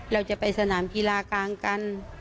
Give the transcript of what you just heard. เราจะไปสนามกีฬากลางกัน